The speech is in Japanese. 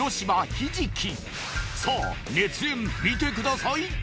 ひじきさあ熱演見てください